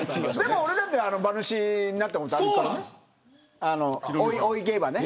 俺だって馬主になったことあるからね。